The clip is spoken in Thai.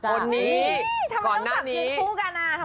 ทำไมต้องกลับทิ้งคู่กันอ่ะ